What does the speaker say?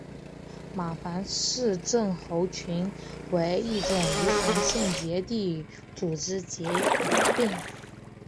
马凡氏症候群为一种遗传性结缔组织疾病。